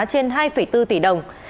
trên hai bốn tỷ đồng